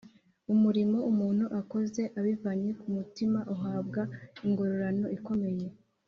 umurimo umuntu akoze abivanye ku mutima uhabwa ingororano ikomeye